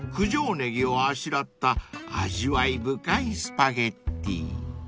ネギをあしらった味わい深いスパゲティ］